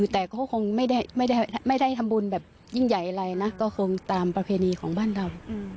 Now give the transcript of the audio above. แต่ไม่ได้ทำบุญแบบยิ่งใหญ่คงตามประเภณีของบ้านเรา